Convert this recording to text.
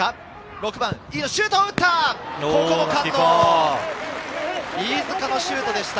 ６番、シュート打った！